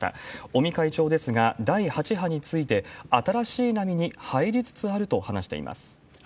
尾身会長ですが、第８波について、新しい波に入りつつあると話しています。